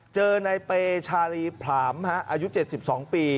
เจอในเปชาลีผลามอายุ๗๒ปี